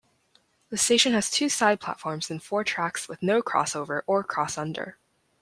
The station has two side platforms and four tracks with no crossover or crossunder.